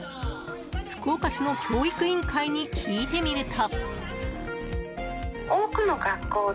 福岡市の教育委員会に聞いてみると。